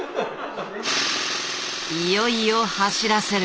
いよいよ走らせる。